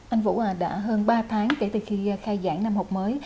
anh vũ đã hơn ba tháng kể từ khi khai giảng năm học mới